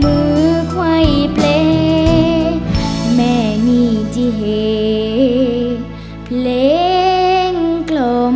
มือไขว้เพลงแม่มีที่เพลงกลม